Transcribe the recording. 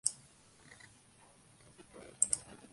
Fue condecorado con la Cruz de Caballero de la Cruz de Hierro.